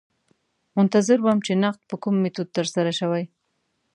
منتظر وم چې نقد په کوم میتود ترسره شوی.